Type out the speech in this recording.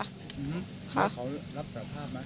แล้วเขารับสารภาพไหม